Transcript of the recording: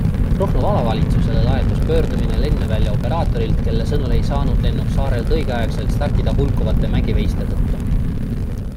Ruhnu vallavalitsusele laekus pöördumine lennuvälja operaatorilt, kelle sõnul ei saanud lennuk saarelt õigeaegselt startida hulkuvate mägiveiste tõttu.